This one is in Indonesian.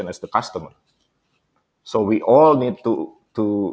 jadi kita semua harus